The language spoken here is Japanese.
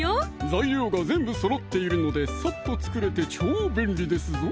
材料が全部そろっているのでさっと作れて超便利ですぞ